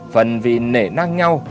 phần vì nể năng nhau